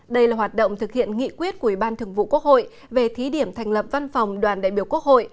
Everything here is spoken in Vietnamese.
đây là hoạt động thực hiện nghị quyết của ủy ban thường vụ quốc hội về thí điểm thành lập văn phòng đoàn đại biểu quốc hội